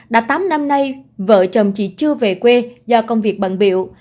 đã tám năm nay vợ chồng chị chưa về quê do công việc bận biểu